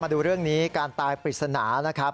ดูเรื่องนี้การตายปริศนานะครับ